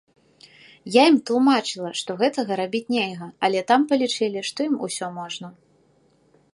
Я ім тлумачыла, што гэтага рабіць нельга, але там палічылі, што ім усё можна.